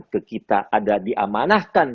ke kita ada diamanahkan